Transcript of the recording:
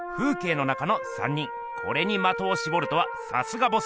これにまとをしぼるとはさすがボス。